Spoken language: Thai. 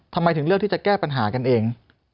ทำไมถึงเลือกที่จะแก้ปัญหากันเอง